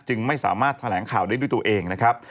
ไม่สามารถแถลงข่าวได้ด้วยตัวเองนะครับ